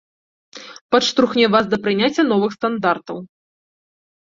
Падштурхне вас да прыняцця новых стандартаў.